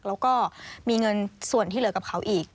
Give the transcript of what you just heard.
แล้วก็มีเงินส่วนที่เหลือกับเขาอีก